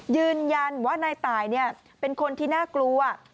ยืนยันว่านายตายเป็นคนที่น่ากลัว